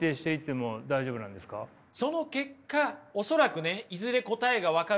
その結果恐らくねいずれ答えが分かると思うんですよ。